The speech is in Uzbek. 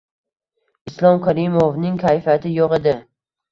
Islom Karimovning kayfiyati yo'q edi